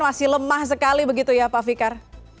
masih lemah sekali pak fikar